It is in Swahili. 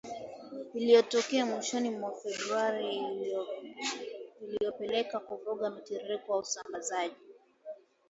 Uliotokea mwishoni mwa Februari, iliyopelekea kuvuruga mtiririko wa usambazaji mafuta duniani na kupanda kwa gharama kote duniani.